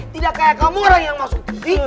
tidak kayak kamu orang yang masuk tv